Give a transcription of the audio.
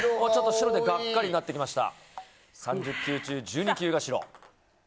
白でガッカリになってきました。